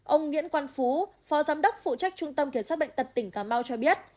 ông nguyễn quang phú phó giám đốc phụ trách trung tâm kiểm soát bệnh tật tỉnh cà mau cho biết